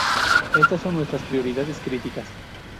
Éstas son nuestras prioridades críticas.